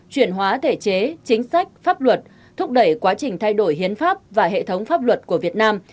chuyển hóa thể chế chính sách pháp luật thúc đẩy quá trình thay đổi hiến pháp và hệ thống pháp luật của việt nam